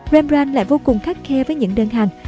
rembrandt lại vô cùng khắc khe với những đơn hàng